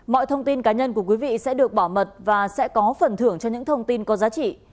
mọi thông tin cá nhân của quý vị sẽ được bảo mật và sẽ có phần thưởng cho những thông tin có giá trị